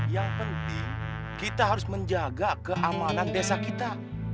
yang penting kita harus menjaga keamanan desa kita